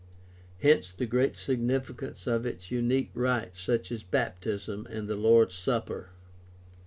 Hence the great significance of its unique rites such as baptism and the Lord's Supper.